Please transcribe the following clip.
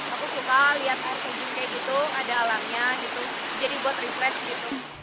terus aku suka lihat air terjunnya gitu ada alamnya gitu jadi buat refresh gitu